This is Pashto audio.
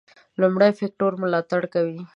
لومړي فکټور ملاتړ کوي.